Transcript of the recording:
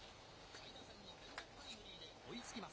下位打線の連続タイムリーで追いつきます。